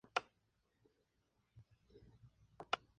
Es la lujuria lo que mueve a esta mujer al matrimonio.